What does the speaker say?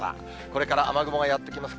これから雨雲がやって来ます。